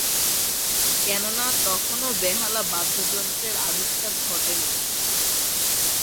কেননা, তখনও বেহালা বাদ্যযন্ত্রের আবিষ্কার ঘটেনি।